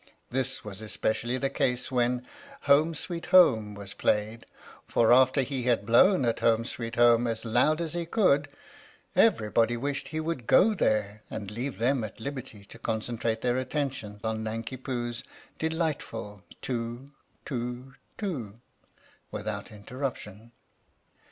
This was especially the case when " Home, sweet Home" was played, for after he had blown at "Home, sweet Home" as loud as he could, everybody wished he would go there and leave them at liberty to concentrate their attention on Nanki Poo's delightful "Too, too, too" without interruption.